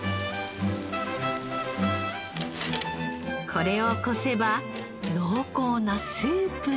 これを濾せば濃厚なスープに。